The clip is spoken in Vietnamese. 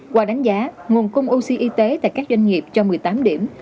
qua đánh giá nguồn cung oce y tế tại các doanh nghiệp cho một mươi tám điểm